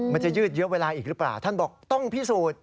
ยืดเยอะเวลาอีกหรือเปล่าท่านบอกต้องพิสูจน์